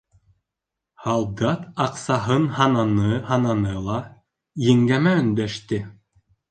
Һалдат аҡсаһын һананы-һананы ла еңгәмә өндәште: